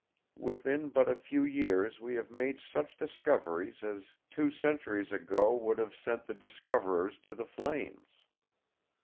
Within but a few years we have made such discoveries as two centuries ago would have sent the discoverers to the flames.